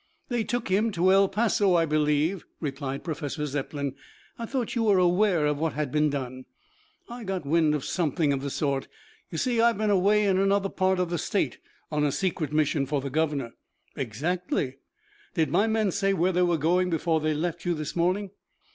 "They took him to El Paso, I believe," replied Professor Zepplin. "I thought you were aware of what had been done." "I got wind of something of the sort. You see I have been away in another part of the state on a secret mission for the Governor." "Exactly." "Did my men say where they were going before they left you this morning?"